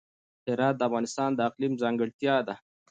هرات د افغانستان د اقلیم ځانګړتیا ده.